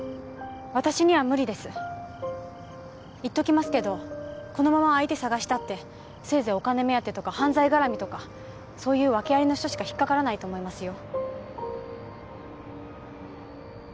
私には無理です言っときますけどこのまま相手探したってせいぜいお金目当てとか犯罪がらみとかそういう訳アリの人しか引っかからないと思いますよ